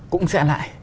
cũng sẽ lại